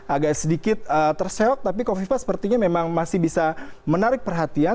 agak sedikit terseok tapi kofifa sepertinya memang masih bisa menarik perhatian